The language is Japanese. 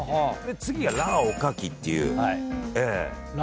次がＬａ．おかきっていう。